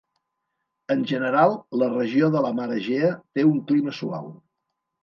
En general la regió de la Mar Egea té un clima suau.